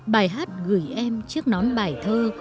bài hát gửi em chiếc nón bài thơ